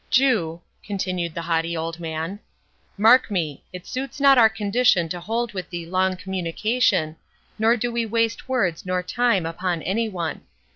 —"Jew," continued the haughty old man, "mark me. It suits not our condition to hold with thee long communication, nor do we waste words or time upon any one.